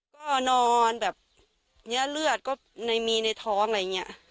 ก็นอนแบบเนื้อเลือดก็มีในท้องอะไรอย่างนี้